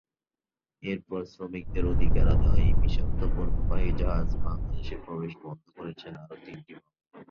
এরপর শ্রমিকদের অধিকার আদায়, বিষাক্ত পণ্যবাহী জাহাজ বাংলাদেশে প্রবেশ বন্ধে করেছেন আরো তিনটি মামলা।